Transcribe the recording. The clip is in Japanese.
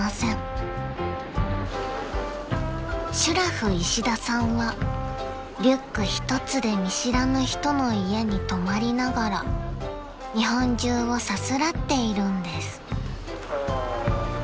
［シュラフ石田さんはリュック一つで見知らぬ人の家に泊まりながら日本中をさすらっているんです］